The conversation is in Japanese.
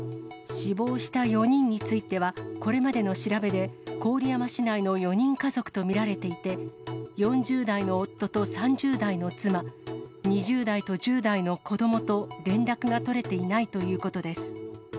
死亡した４人については、これまでの調べで、郡山市内の４人家族と見られていて、４０代の夫と３０代の妻、２０代と１０代の子どもと連絡が取れていないということです。